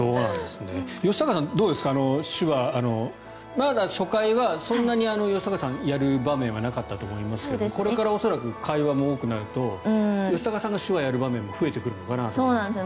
まだ初回はそんなに吉高さんやる場面はなかったと思いますけどこれから恐らく会話も多くなると吉高さんが手話をやる場面も増えてくるのかなと思いますが。